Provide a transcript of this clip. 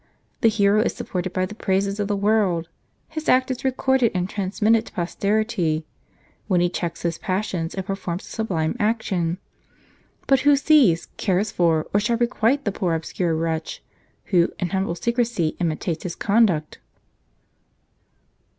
The hero is supported by the praises of the world : his act is recorded and transmitted to posterity, when he checks his passions, and performs a sublime action. But who sees, cares for, or shall requite, the poor obscure wretch, who in humble secrecy imitates his conduct?